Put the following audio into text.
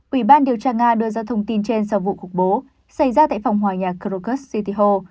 ubnd điều tra nga đưa ra thông tin trên sau vụ khủng bố xảy ra tại phòng hòa nhà krakow city hall